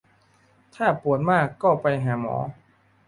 ถ้าปวดมากก็ไปหาหมอ